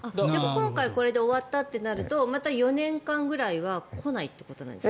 今回これで終わったとなるとまた４年間ぐらいは来ないということなんですか。